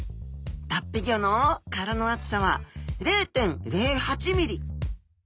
脱皮後の殻の厚さは０．０８ｍｍ。